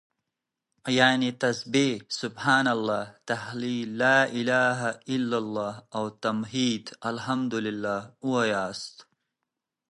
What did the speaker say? يعنې تسبيح سبحان الله، تهليل لا إله إلا الله او تحميد الحمد لله واياست